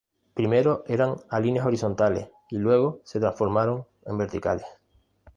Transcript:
Primero eran a líneas horizontales, y luego se transformaron en verticales.